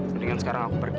mendingan sekarang aku pergi